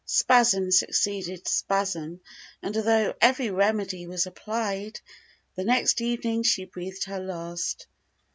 Spasm succeeded spasm; and although every remedy was applied, the next evening she breathed her last.